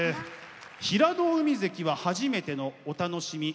平戸海関は初めての「お楽しみ歌くらべ」